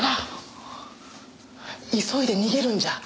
急いで逃げるんじゃ。